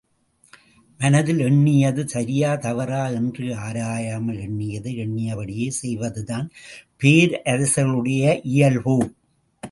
மனத்தில் எண்ணியது சரியா, தவறா என்று ஆராயாமல் எண்ணியதை எண்ணியபடியே செய்வதுதான் பேரரசர்களுடைய இயல்போ?